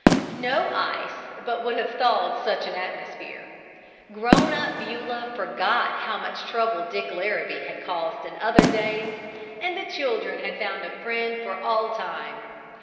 No ice but would have thawed in such an atmosphere! Grown up Beulah forgot how much trouble Dick Larrabee had caused in other days, and the children had found a friend for all time.